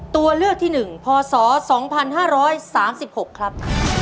ตัวเลือกที่๑พศ๒๕๓๖ครับ